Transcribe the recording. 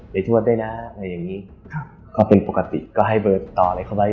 เด็กทวดได้น่ะอะไรอย่างงี้ครับก็เป็นปกติก็ให้เบอร์ต่ออะไรเขาไว้